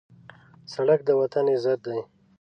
سړک د وطن عزت دی.